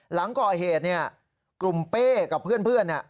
หลังก่อเหตุกลุ่มเป้กับเพื่อนนี่